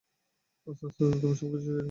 আস্তে আস্তে, তুমি সবকিছু শিখে যাবে।